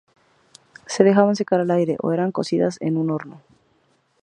Se dejaban secar al aire o eran cocidas en un horno.